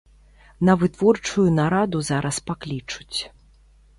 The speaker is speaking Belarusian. На вытворчую нараду зараз паклічуць.